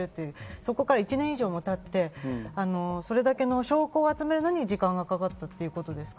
そこから１年以上経ってそれだけの証拠を集めるのに時間がかかったということですか？